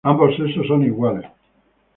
Ambos sexos son iguales.